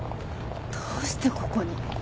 どうしてここに？